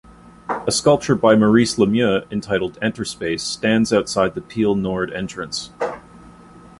A sculpture by Maurice Lemieux entitled "Enterspace" stands outside the Peel Nord entrance.